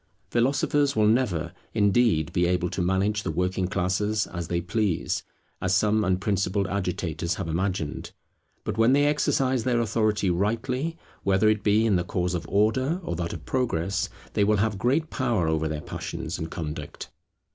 Philosophers will never, indeed, be able to manage the working classes as they please, as some unprincipled agitators have imagined; but when they exercise their authority rightly, whether it be in the cause of Order or that of Progress, they will have great power over their passions and conduct.